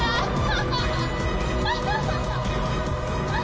ハハハッ！